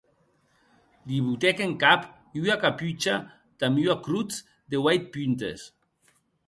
Li botèc en cap ua capucha damb ua crotz de ueit puntes.